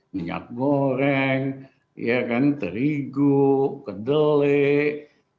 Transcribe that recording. minyak goreng ya kan terigu kedelek